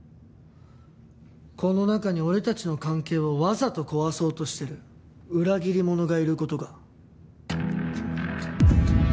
この中に俺たちの関係をわざと壊そうとしてる裏切り者がいる事が。